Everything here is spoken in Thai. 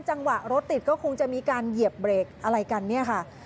จังหวะรถติดก็คงจะมีการเหยียบเบรกอะไรกันเนี่ยค่ะ